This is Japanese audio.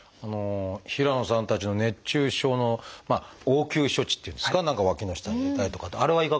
平野さんたちの熱中症の応急処置っていうんですか何かわきの下に入れたりとかってあれはいかがですか？